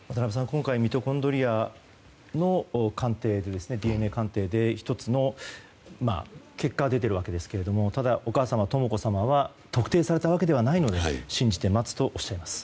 今回、ミトコンドリアのＤＮＡ鑑定で１つの結果が出ているわけですけれどもただ、お母様、とも子さんは特定されていたわけではないので信じて待つとおっしゃいます。